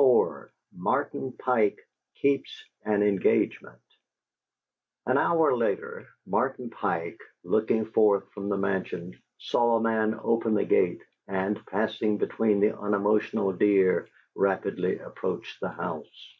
XXIV MARTIN PIKE KEEPS AN ENGAGEMENT An hour later, Martin Pike, looking forth from the Mansion, saw a man open the gate, and, passing between the unemotional deer, rapidly approach the house.